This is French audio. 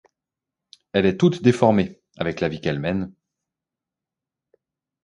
Elle est toute déformée, avec la vie qu’elle mène...